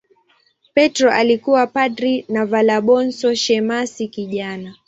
Petro alikuwa padri na Valabonso shemasi kijana.